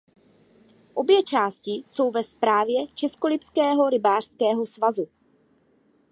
Obě části jsou ve správě českolipského rybářského svazu.